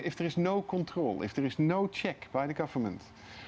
pelancongan akan ditobrak